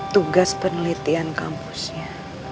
tugas penelitian kampusnya